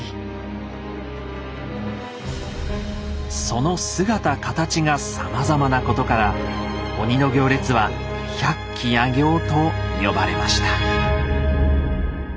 その姿形がさまざまなことから鬼の行列は「百鬼夜行」と呼ばれました。